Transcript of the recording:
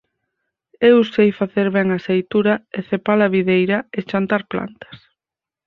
Eu sei facer ben a seitura e cepa-la videira e chantar plantas.